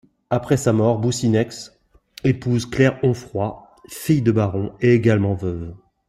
Après sa mort, Boussinesq épouse Claire Onffroy, fille de baron et également veuve.